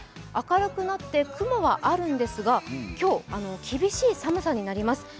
明るくなって雲はあるんですが、今日、厳しい寒さになります。